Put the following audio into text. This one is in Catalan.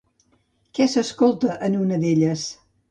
Què s'escolta en una d'elles?